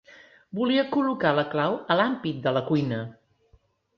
Volia col·locar la clau a l'ampit de la cuina.